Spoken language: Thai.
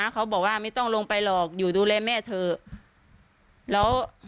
เขาบอกว่าไม่ต้องลงไปหรอกอยู่ดูแลแม่เถอะ